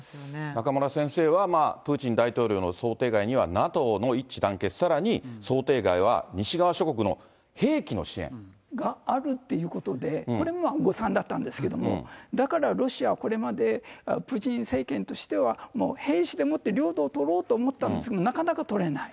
中村先生は、プーチン大統領の想定外にはＮＡＴＯの一致団結、さらに想定外は、があるということで、これまあ誤算だったんですけど、だからロシアはこれまでプーチン政権としては、もう兵士でもって領土を取ろうと思ったんだけど、なかなか取れない。